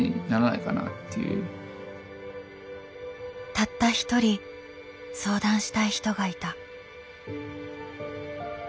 たったひとり相談したい人がいた。